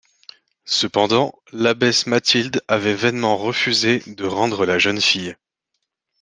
Cependant, l'abbesse Mathilde avait vainement refusé de rendre la jeune fille.